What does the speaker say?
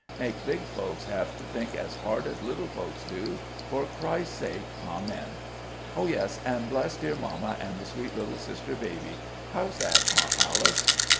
Make big folks have to think as hard as little folks do, for Christ's sake Amen! Oh, yes, an' bless dear mamma an' the sweet little sister baby. How's that, Aunt Alice?"